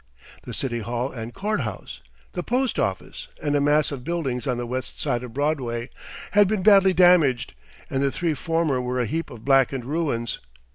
The City Hall and Court House, the Post Office and a mass of buildings on the west side of Broadway, had been badly damaged, and the three former were a heap of blackened ruins.